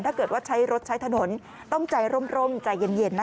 ถ้าเกิดว่าใช้รถใช้ถนนต้องใจร่มใจเย็นนะคะ